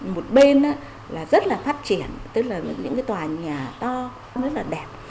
một bên là rất là phát triển tức là những cái tòa nhà to nó rất là đẹp